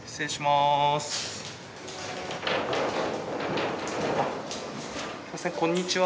すみませんこんにちは。